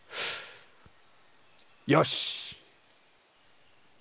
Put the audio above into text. よし！